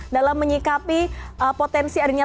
dalam menyikapi potensi